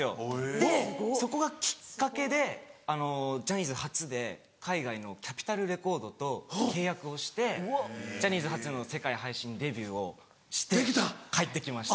でそこがきっかけでジャニーズ初で海外のキャピトル・レコードと契約をしてジャニーズ初の世界配信デビューをして帰って来ました。